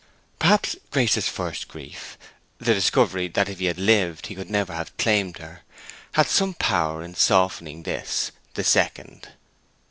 Perhaps Grace's first grief, the discovery that if he had lived he could never have claimed her, had some power in softening this, the second.